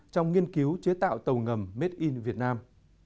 trong nghiên cứu chế tạo tàu ngầm made in việt nam